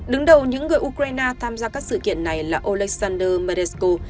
đứng đầu những người ukraine tham gia các sự kiện này là oleksandr meresko